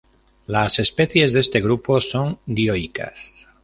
Las especies de este grupo son dioicas.